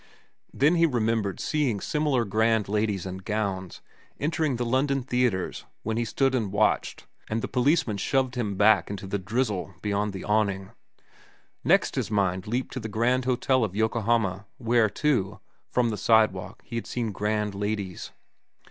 Then he remembered seeing similar grand ladies and gowns entering the London theatres while he stood and watched and the policemen shoved him back into the drizzle beyond the awning. Next his mind leaped to the Grand Hotel at Yokohama, where, too, from the sidewalk, he had seen grand ladies.